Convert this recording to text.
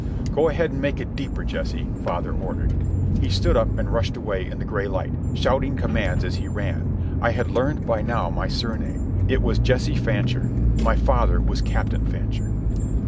"Go ahead and make it deeper, Jesse," father ordered, He stood up and rushed away in the gray light, shouting commands as he ran. (I had learned by now my surname. I was Jesse Fancher. My father was Captain Fancher).